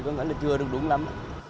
vẫn là chưa được đúng lắm